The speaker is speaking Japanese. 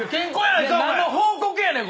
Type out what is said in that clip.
何の報告やねん？